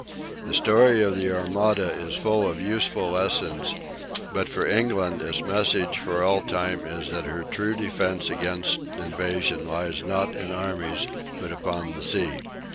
The story of the Armada is full of useful lessons, but for England its message for all time is that her true defence against invasion lies not in armies, but upon the sea.